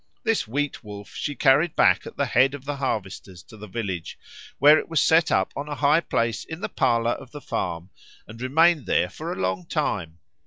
This Wheat wolf she carried back at the head of the harvesters to the village, where it was set up on a high place in the parlour of the farm and remained there for a long time.